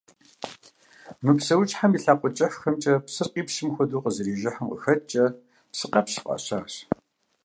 Мы псэущхьэм и лъакъуэ кӀыхьхэмкӀэ псыр къипщым хуэдэу къызэрижыхьым къыхэкӀкӀэ псыкъэпщ фӀащащ.